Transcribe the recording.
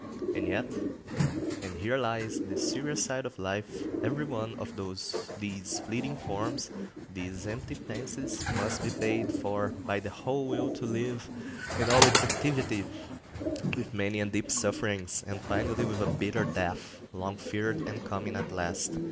And yet, and here lies the serious side of life, every one of these fleeting forms, these empty fancies, must be paid for by the whole will to live, in all its activity, with many and deep sufferings, and finally with a bitter death, long feared and coming at last.